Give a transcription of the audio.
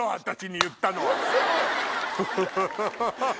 私に言ったのはフフフ！